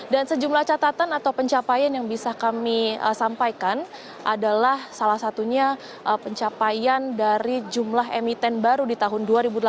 dan sejumlah catatan atau pencapaian yang bisa kami sampaikan adalah salah satunya pencapaian dari jumlah emiten baru di tahun dua ribu delapan belas